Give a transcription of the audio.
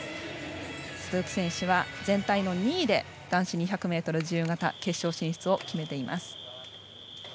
鈴木選手は全体の２位で男子２００ｍ自由形決勝進出を決めています。